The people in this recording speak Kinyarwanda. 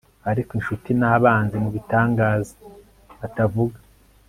Ariko inshuti nabanzi mubitangaza batavuga